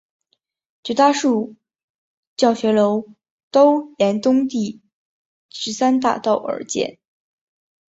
绝大多数教学楼都沿东第十三大道而建。